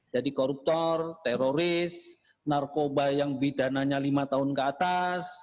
jadi koruptor teroris narkoba yang pidananya lima tahun ke atas